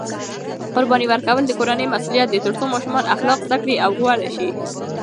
قرباني ورکول د کورنۍ مسؤلیت دی ترڅو ماشومان اخلاق زده کړي او غوره شي.